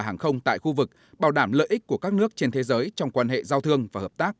hàng không tại khu vực bảo đảm lợi ích của các nước trên thế giới trong quan hệ giao thương và hợp tác